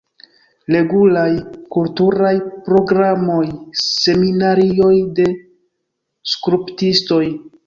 Regulaj kulturaj programoj, seminarioj de skulptistoj.